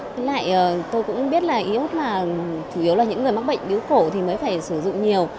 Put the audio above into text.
với lại tôi cũng biết là iốt mà chủ yếu là những người mắc bệnh biếu cổ thì mới phải sử dụng nhiều